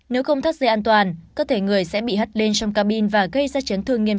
nếu không thắt dây an toàn cơ thể người sẽ bị hất lên trong cabin và gây ra chấn thương nghiêm trọng